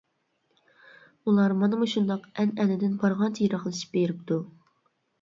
ئۇلار مانا مۇشۇنداق ئەنئەنىدىن بارغانچە يىراقلىشىپ بېرىپتۇ.